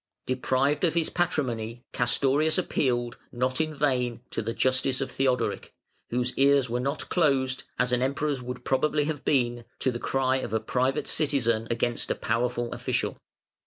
Deprived of his patrimony, Castorius appealed, not in vain, to the justice of Theodoric, whose ears were not closed, as an Emperor's would probably have been, to the cry of a private citizen against a powerful official.